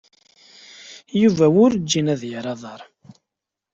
Yuba werǧin ad yerr aḍar.